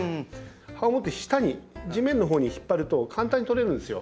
葉を持って下に地面のほうに引っ張ると簡単に取れるんですよ。